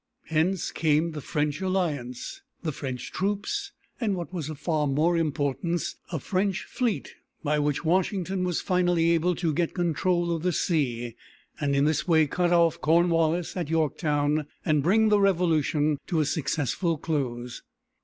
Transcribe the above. Hence came the French alliance, the French troops, and, what was of far more importance, a French fleet by which Washington was finally able to get control of the sea, and in this way cut off Cornwallis at Yorktown and bring the Revolution to a successful close.